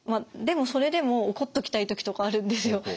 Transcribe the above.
でもそれでも怒っておきたい時とかあるんですよ。